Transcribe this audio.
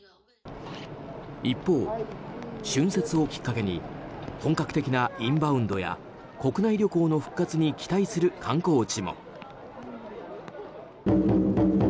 一方、春節をきっかけに本格的なインバウンドや国内旅行の復活に期待する観光地も。